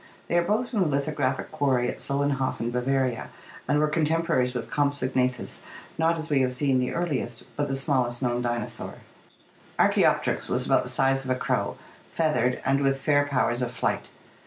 They are both from the lithographic quarry at Solenhofen, Bavaria, and were contemporaries with Compsognathus, not, as we have seen, the earliest, but the smallest known dinosaur. Archaopteryx was about the size of a crow, feathered, and with fair powers of flight.